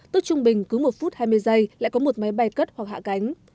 tức trung bình cứ một phút hai mươi giây lại có một máy bay cất hoặc hạ cánh